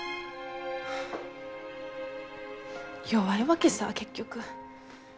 弱いわけさぁ結局。